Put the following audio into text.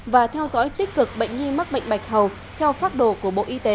và theo dõi tích cực bệnh nhi mắc bệnh bạch hầu